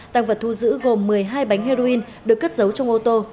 tăng vật thu giữ gồm một mươi hai bánh heroin được cất giấu trong ô tô